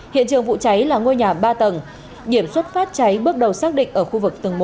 hiện trường vụ cháy là ngôi nhà ba tầng nhiễm xuất phát cháy bước đầu xác định ở khu vực tầng một